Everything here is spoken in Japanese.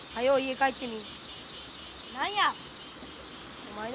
帰ってみ。